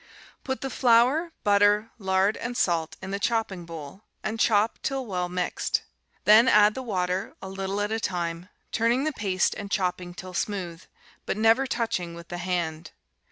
Put the flour, butter, lard, and salt in the chopping bowl and chop till well mixed. Then add the water, a little at a time, turning the paste and chopping till smooth, but never touching with the hand.